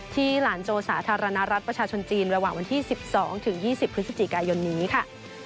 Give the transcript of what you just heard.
หลานโจสาธารณรัฐประชาชนจีนระหว่างวันที่๑๒๒๐พฤศจิกายนนี้ค่ะ